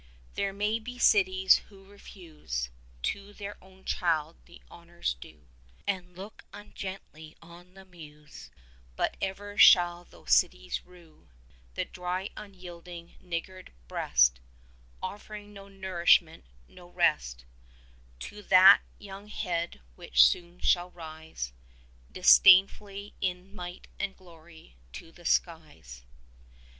There may be cities who refuse To their own child the honours due, And look ungently on the Muse; But ever shall those cities rue 20 The dry, unyielding, niggard breast, Offering no nourishment, no rest, To that young head which soon shall rise Disdainfully, in might and glory, to the skies.